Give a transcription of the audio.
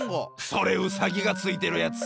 それうさぎがついてるやつ！